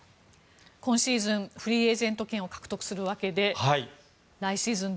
今シーズンフリーエージェント権を獲得するわけで来シーズン